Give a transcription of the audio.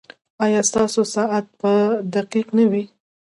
ایا ستاسو ساعت به دقیق نه وي؟